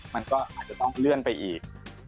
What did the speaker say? มันก็อาจจะต้องเลื่อนไปอีก